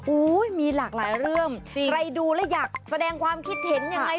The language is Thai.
มีหลากหลายเรื่องใครดูแล้วอยากแสดงความคิดเห็นยังไง